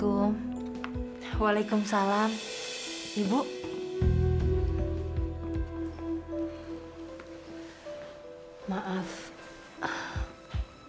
ibu nggak tahu kalau kamu sedang mengaji